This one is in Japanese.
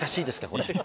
これ。